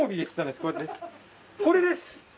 これです。